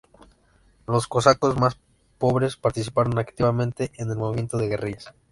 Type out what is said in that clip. Los cosacos más pobres participaron activamente en el movimiento de guerrillas.